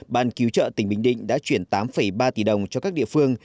ban cứu trợ tỉnh bình định đã chuyển tám ba tỷ đồng cho các địa phương